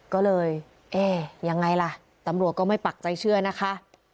ก็เลยเอ๊ยังไงล่ะตำรวจก็ไม่ปักใจเชื่อนะคะ